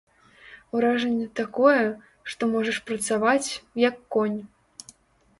Уражанне такое, што можаш працаваць, як конь.